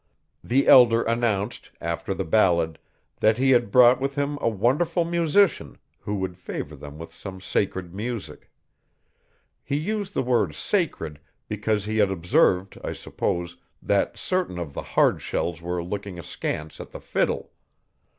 The elder announced, after the ballad, that he had brought with him a wonderful musician who would favour them with some sacred music. He used the word 'sacred' because he had observed, I suppose, that certain of the 'hardshells' were looking askance at the fiddle.